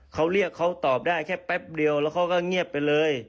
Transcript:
เขาเรียกเขาตอบได้แค่แป๊บเดียวแล้วเขาก็เงียบไปเลย